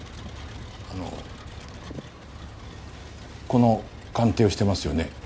あのこの鑑定をしてますよね？